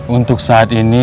untuk saat ini